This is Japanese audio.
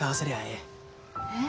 えっ？